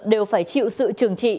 đều phải chịu sự trường trị